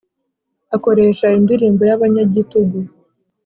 Akoresha indirimbo y’abanyagitugu